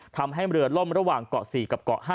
ทำให้เรือล่มระหว่างเกาะ๔กับเกาะ๕